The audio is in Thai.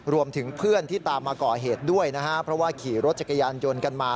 รวมถึงเพื่อนที่ตามมาก่อเหตุด้วยนะฮะเพราะว่าขี่รถจักรยานยนต์กันมา